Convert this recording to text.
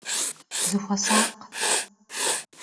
Zıxuesakh!